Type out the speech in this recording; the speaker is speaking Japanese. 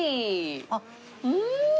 あっうん！